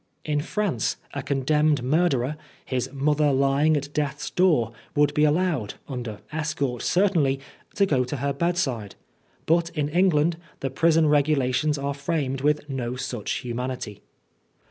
In "France, a con demned murderer, his mother lying at death's door, would be allowed, under escort certainly, to go to her bedside, but in England the prison regulations are framed with no such humanity.